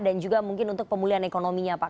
dan juga mungkin untuk pemulihan ekonominya pak